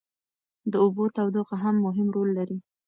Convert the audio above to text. د اوبو تودوخه هم مهم رول لري.